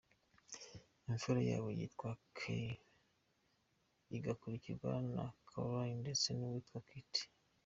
Imfura yabo yitwa Kai, igakurikirwa na Klay ndetse n’uwitwa Kit.